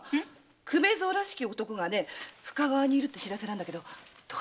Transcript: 「粂蔵らしき男が深川にいる」って報せなんだけどどうする？